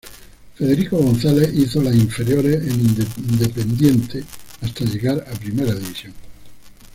Federico González hizo las inferiores en Independiente hasta llegar a Primera División.